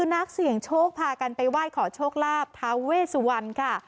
นักเสี่ยงโชคพากันไปไหว้ขอโชคลาบท้าเวสวรรณค่ะ